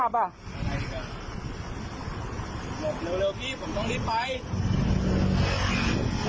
บอกเร็วพี่ผมต้องรีบไป